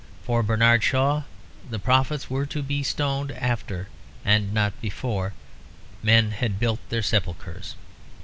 For Bernard Shaw the prophets were to be stoned after, and not before, men had built their sepulchres.